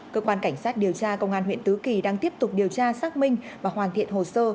cơ quan cảnh sát điều tra công an huyện tứ kỳ đang tiếp tục điều tra xác minh và hoàn thiện hồ sơ